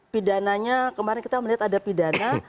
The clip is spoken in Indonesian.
pidananya kemarin kita melihat ada pidana